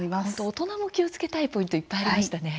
大人も気をつけたいポイントいっぱいありましたね。